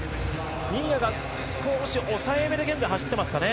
新谷が少し抑えめで現在走っていますかね。